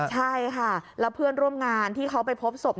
ใช่ค่ะแล้วเพื่อนร่วมงานที่เขาไปพบศพ